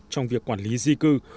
trong việc quản lý di cư